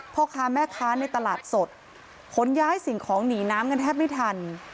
พ่อค้าแม่ค้าในตลาดสดขนย้ายสิ่งของหนีน้ำกันแทบไม่ทัน